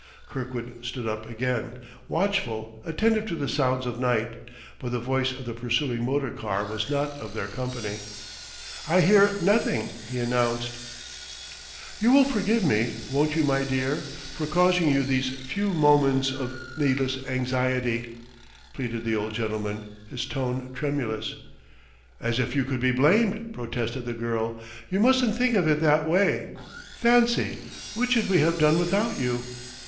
Kirkwood stood up again, watchful, attentive to the sounds of night; but the voice of the pursuing motor car was not of their company. "I hear nothing," he announced. "You will forgive me, won't you, my dear? for causing you these few moments of needless anxiety?" pleaded the old gentleman, his tone tremulous. "As if you could be blamed!" protested the girl. "You mustn't think of it that way. Fancy, what should we have done without you!"